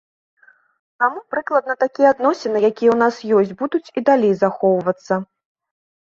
Таму, прыкладна такія адносіны, якія ў нас ёсць будуць і далей захоўвацца.